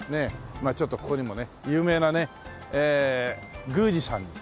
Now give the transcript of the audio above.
まあちょっとここにもね有名なね宮司さんね。